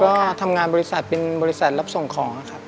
ก็ทำงานบริษัทเป็นบริษัทรับส่งของนะครับ